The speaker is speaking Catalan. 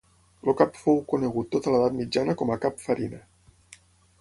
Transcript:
El cap fou conegut tota l'edat mitjana com a Cap Farina.